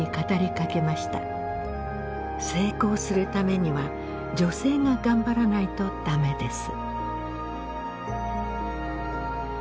「成功するためには女性が頑張らないと駄目です」。